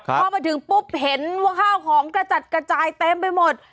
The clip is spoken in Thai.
พอมาถึงปุ๊บเห็นว่าข้าวของกระจัดกระจายเต็มไปหมด